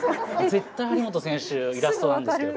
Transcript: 絶対張本選手イラストなんですけど。